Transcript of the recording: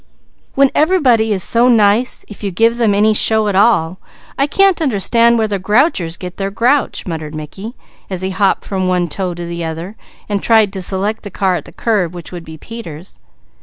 "When everybody is so nice if you give them any show at all, I can't understand where the grouchers get their grouch," muttered Mickey, as he hopped from one toe to the other and tried to select the car at the curb which would be Peter's.